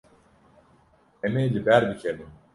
Em ê li ber bikevin.